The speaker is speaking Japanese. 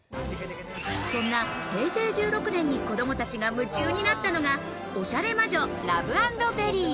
そんな平成１６年に子供たちが夢中になったのが「オシャレ魔女ラブａｎｄベリー」。